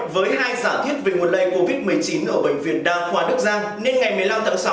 vì nguồn lây covid một mươi chín ở bệnh viện đa khoa đức giang nên ngày một mươi năm tháng sáu